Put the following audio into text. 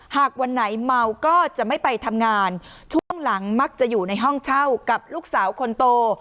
หากวันไหนเมาก็จะไม่ไปทำงานช่วงหลังมักจะอยู่ในห้องเช่ากับลูกสาวคนโต